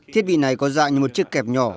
thiết bị này có dạng như một chiếc kẹp nhỏ